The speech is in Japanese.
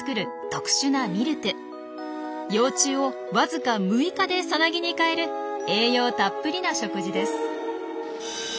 幼虫をわずか６日でサナギに変える栄養たっぷりな食事です。